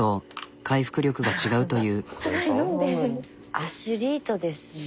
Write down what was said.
アスリートですね。